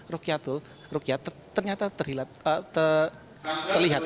rukyatul rukyat ternyata terlihat